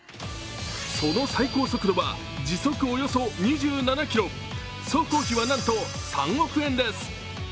その最高速度は、時速およそ２７キロ総工費は、なんと３億円です。